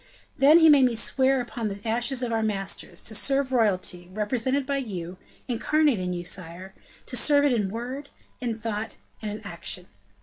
Then he made me swear upon the ashes of our masters, to serve royalty, represented by you incarnate in you, sire to serve it in word, in thought, and in action.